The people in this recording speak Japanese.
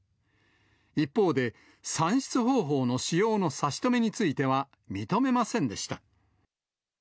一方で、算出方法の使用の差し止めについては、認めませんでした。